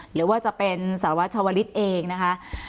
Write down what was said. หรือว่าจะเป็นสารวัชวลิศเองนะคะ